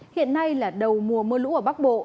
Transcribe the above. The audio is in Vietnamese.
hiện nay là đầu mùa mưa lũ ở bắc bộ